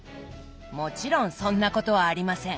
もちろんそんなことはありません。